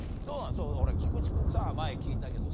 菊池君さ前聞いたけどさ。